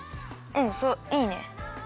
うんそういいね。